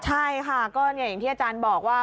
ใช่ค่ะก็อย่างที่อาจารย์บอกว่า